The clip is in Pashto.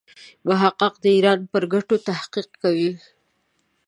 محقق د ایران پر ګټو تحقیق کوي.